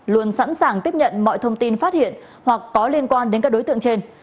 luôn sẵn sàng tiếp nhận mọi thông tin phát hiện hoặc có liên quan đến các đối tượng trên